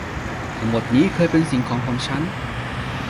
ทั้งหมดนี้เคยเป็นสิ่งของของฉัน